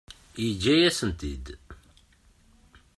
Yeǧǧa-yasen-tt-id.